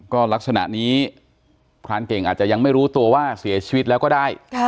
ก็ลักษณะนี้พรานเก่งอาจจะยังไม่รู้ตัวว่าเสียชีวิตแล้วก็ได้